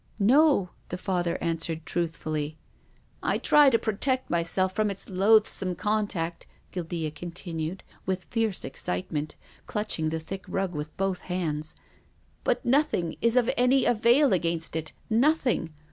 " No," the Father answered truly. " I try to protect myself from its loathsome contact," Guildea continued, with fierce excite ment, clutching the thick rug with both hands. " But nothing is of any avail against it. Nothing.